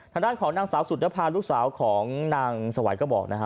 ทางด้านของนางสาวสุดนภาลูกสาวของนางสวัยก็บอกนะฮะ